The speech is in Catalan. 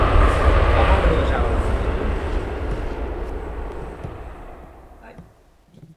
Com el rodejava la multitud?